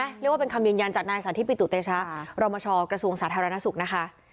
เรียกว่าเป็นคำยืนยันจากนายสาธิปิตุเตชะรมชกระทรวงสาธารณสุขนะคะ